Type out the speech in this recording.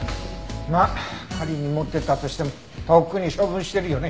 まあ仮に持ってたとしてもとっくに処分してるよね。